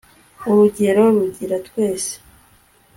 urugero; rugira twese